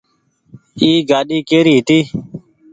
اي گآڏي ڪيري هيتي